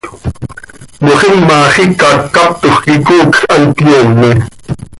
Moxima xiica ccaptoj quih coocj hant cöyoome.